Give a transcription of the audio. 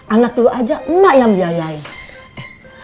anak lo aja mak yang biayain